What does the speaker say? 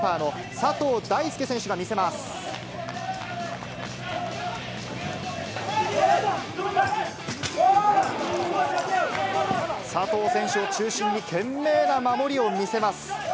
佐藤選手を中心に懸命な守りを見せます。